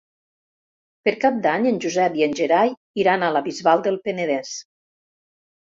Per Cap d'Any en Josep i en Gerai iran a la Bisbal del Penedès.